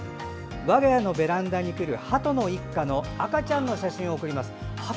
我が家のベランダに来るはとの一家の赤ちゃんの写真を送りますと。